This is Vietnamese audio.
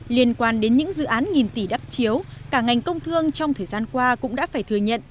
liên quan đến những dự án nghìn tỷ đắp chiếu cả ngành công thương trong thời gian qua cũng đã phải thừa nhận